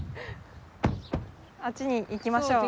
あっちに行きましょう。